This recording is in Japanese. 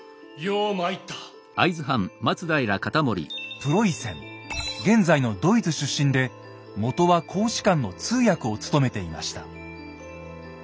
プロイセン現在のドイツ出身でもとは公使館の通訳を務めていました。